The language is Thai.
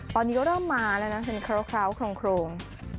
ตอนนี้ก็เริ่มมาแล้วคือแคล้วโครง